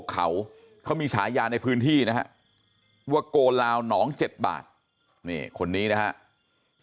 เขาเขามีฉายาในพื้นที่นะฮะว่าโกลาวหนอง๗บาทนี่คนนี้นะครับ